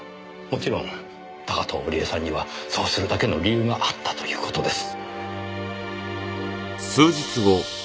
もちろん高塔織絵さんにはそうするだけの理由があったという事です。